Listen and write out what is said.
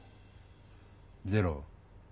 ゼロ。